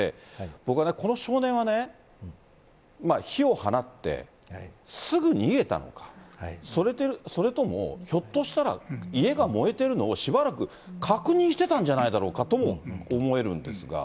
僕はね、この少年はね、火を放って、すぐ逃げたのか、それともひょっとしたら、家が燃えてるのを、しばらく確認してたんじゃないだろうかとも思えるんですが。